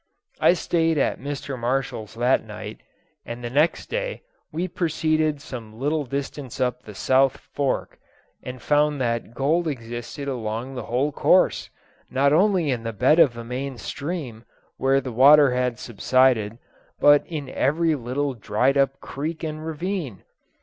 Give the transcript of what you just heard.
I stayed at Mr. Marshall's that night, and the next day we proceeded some little distance up the South Fork, and found that gold existed along the whole course, not only in the bed of the main stream, where the water had subsided, but in every little dried up creek and ravine.